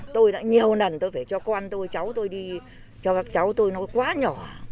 tôi đã nhiều lần tôi phải cho con tôi cháu tôi đi cho các cháu tôi nó quá nhỏ